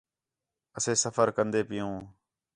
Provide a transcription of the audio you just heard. اَسے سفر کندے پِیؤں